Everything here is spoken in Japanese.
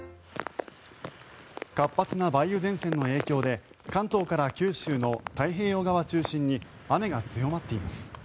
活発な梅雨前線の影響で関東から九州の太平洋側を中心に雨が強まっています。